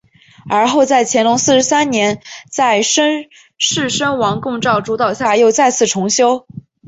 而后在乾隆四十三年在士绅王拱照主导下又再次重修。